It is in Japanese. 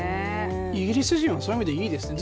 イギリス人は、そういう意味でいいですよね。